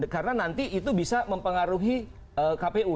karena nanti itu bisa mempengaruhi kpu